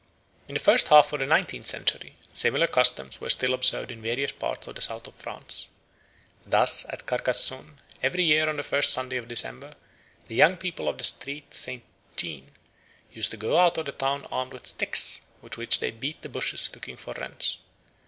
In the first half of the nineteenth century similar customs were still observed in various parts of the south of France. Thus at Carcassone, every year on the first Sunday of December the young people of the street Saint Jean used to go out of the town armed with sticks, with which they beat the bushes, looking for wrens.